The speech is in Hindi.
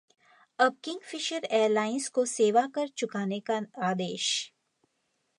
अब किंगफिशर एयरलाइंस को सेवा कर चुकाने का आदेश